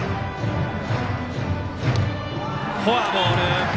フォアボール。